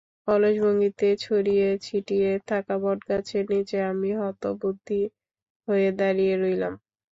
অলস ভঙ্গিতে ছড়িয়ে-ছিটিয়ে থাকা বটগাছের নিচে আমি হতবুদ্ধি হয়ে দাঁড়িয়ে রইলাম।